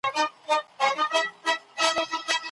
د ښوونځیو لپاره د سپورتي وسايل نه پېرودل کيدل.